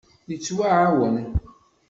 Yettɛawan.